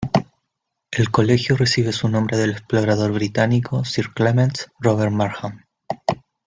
El colegio recibe su nombre del explorador británico Sir Clements Robert Markham.